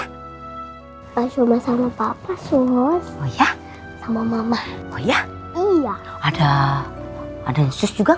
hai asuma sama papa suruh ya sama mama oh ya iya ada ada juga